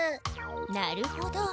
なるほど。